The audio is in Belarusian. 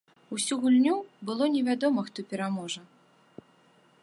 Усю гульню было невядома, хто пераможа.